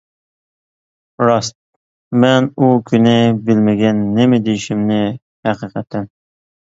راست، مەن ئۇ كۈنى بىلمىگەن نېمە دېيىشىمنى ھەقىقەتەن.